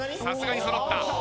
さすがに揃った。